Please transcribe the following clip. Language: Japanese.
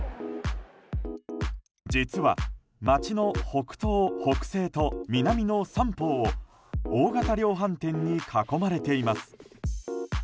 実は、町の北東、北西と南の三方を大型量販店に囲まれています。